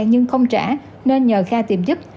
nhưng không trả nên nhờ kha tìm giúp